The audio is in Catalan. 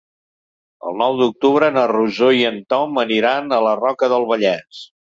El nou d'octubre na Rosó i en Tom aniran a la Roca del Vallès.